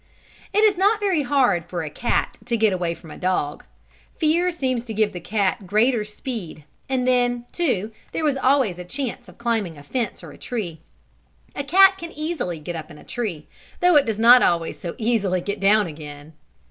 It is not very hard for a cat to get away from a dog. Fear seems to give the cat greater speed and then, too, there is always a chance of climbing a fence or a tree. A cat can easily get up in a tree, though it can not always so easily get down again.